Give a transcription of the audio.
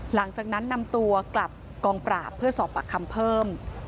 หลังจากนั้นนำตัวกลับกองปราบเพื่อสอบปากคำเพิ่ม